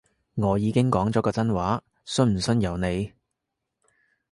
我已經講咗個真話，信唔信由你